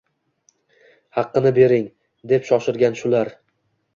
— Haqqini bering! – deb shoshirgan shular.